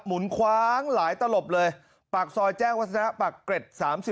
หมุนคว้างหลายตลบเลยปากซอยแจ้งวัฒนะปากเกร็ด๓๔